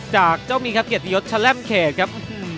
จากเจ้ามีครับเกียรติยศชะแลมเขตครับ